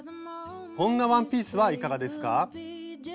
こんなワンピースはいかがですか？